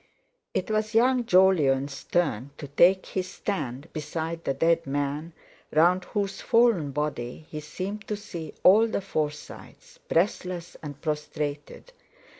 It was young Jolyon's turn to take his stand beside the dead man, round whose fallen body he seemed to see all the Forsytes breathless, and prostrated.